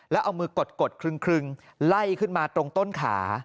แล้วเอามือกดครึงไล่ขึ้นมาตรงต้นขา